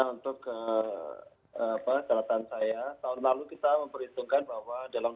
tahun lalu kita memperhitungkan bahwa dalam